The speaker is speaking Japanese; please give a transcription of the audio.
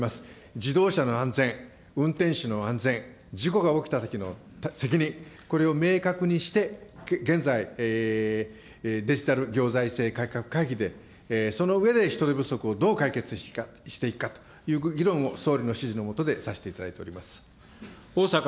自動車の安全、運転手の安全、事故が起きたときの責任、これを明確にして、現在、デジタル行財政改革会議でその上で人手不足をどう解決していくかという議論を総理の指示の下でさせていただいております。